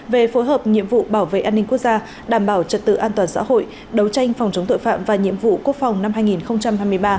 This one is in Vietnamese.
về phối hợp nhiệm vụ bảo vệ an ninh quốc gia đảm bảo trật tự an toàn xã hội đấu tranh phòng chống tội phạm và nhiệm vụ quốc phòng năm hai nghìn hai mươi ba